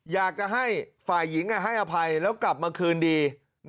อยากจะให้ฝ่ายหญิงให้อภัยแล้วกลับมาคืนดี